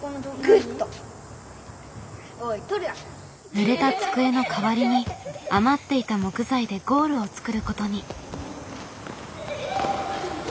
ぬれた机の代わりに余っていた木材でゴールを作ることに。